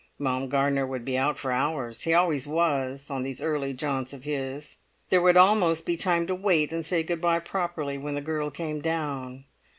Baumgartner would be out for hours; he always was, on these early jaunts of his; there would almost be time to wait and say goodbye properly when the girl came down.